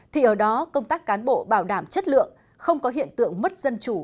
thì ở đó công tác cán bộ bảo đảm chất lượng không có hiện tượng mất dân chủ